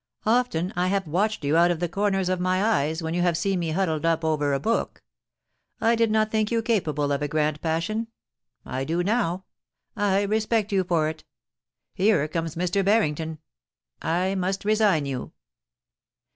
Often I have watched you out of the comers of my eyes when you have seen me huddled up over a book. I did not think you capable of a grand passion. I do now. I respect you for it Here comes Mr. Barrington. I must resign you.'